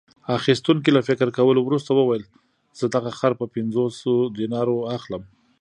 اخیستونکي له فکر کولو وروسته وویل: زه دغه خر په پنځوسو دینارو اخلم.